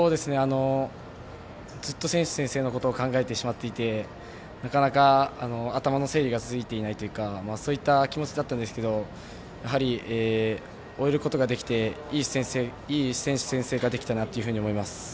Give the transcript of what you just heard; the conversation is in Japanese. ずっと選手宣誓のことを考えてしまっていてなかなか、頭の整理がついていないというかそういった気持ちだったんですけどやはり、終えることができていい選手宣誓ができたなと思います。